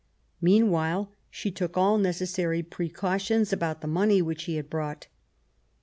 Meanwhile she took all necessary precautions about the money which he had brought.